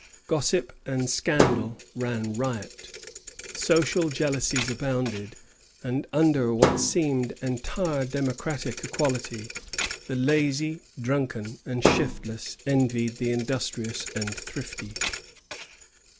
Gossip and scandal ran riot; social jealousies abounded; and under what seemed entire democratic equality, the lazy, drunken, and shiftless envied the industrious and thrifty.